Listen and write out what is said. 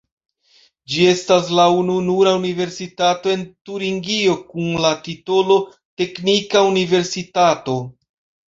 Ĝi estas la ununura universitato en Turingio kun la titolo "teknika universitato".